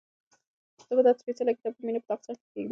زه به دا سپېڅلی کتاب په مینه په تاقچه کې کېږدم.